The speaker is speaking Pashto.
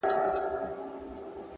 نیک عمل د خلکو په یاد پاتې کېږي!.